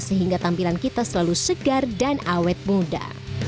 sehingga tampilan kita selalu segar dan awet muda